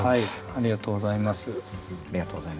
ありがとうございます。